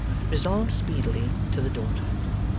Resolved speedily, to the daughter.